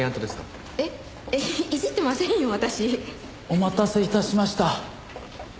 お待たせいたしました。